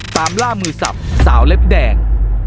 ตามล่ามือสับสาวเล็บแดง